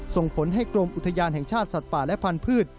ส่งผลให้กรมอุทยานแห่งชาติสัตว์ป่าและพันธุ์